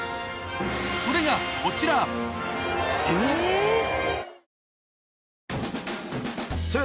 それがこちらえっ！